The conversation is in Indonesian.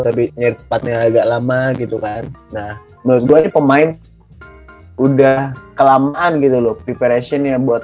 tapi tepatnya agak lama gitu kan nah menurut gue pemain udah kelamaan gitu loh preparationnya buat